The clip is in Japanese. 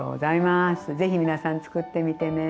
ぜひ皆さんつくってみてね。